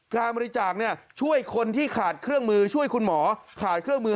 การบริจาคช่วยคนที่ขาดเครื่องมือช่วยคุณหมอขาดเครื่องมือ